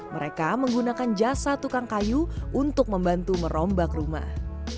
mereka menggunakan jasa tukang kayu untuk membantu merombak rumah